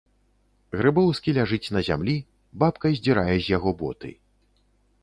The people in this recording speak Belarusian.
Грыбоўскі ляжыць на зямлі, бабка здзірае з яго боты.